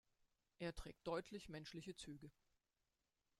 Er trägt deutlich menschliche Züge.